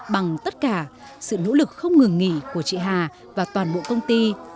bằng tất cả sự nỗ lực không ngừng nghỉ của chị hà và toàn bộ công ty